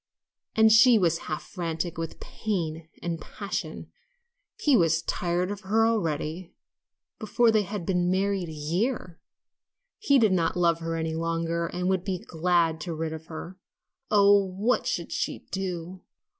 And she was half frantic with pain and passion. He was tired of her already before they had been married a year he did not love her any longer and would be glad to be rid of her. Oh, what should she do!